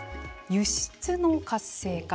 輸出の活性化。